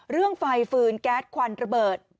เรื่องไฟฟืนแก๊สควันระเบิด